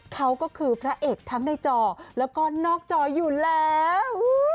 เขาก็คือพระเอกทั้งในจอแล้วก็นอกจออยู่แล้ว